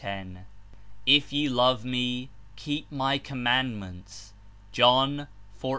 38 "If ye love me, keep my commandments:' (John, 14.15.)